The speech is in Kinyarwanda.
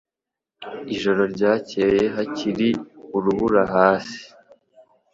Ijoro ryakeye haracyari urubura hasi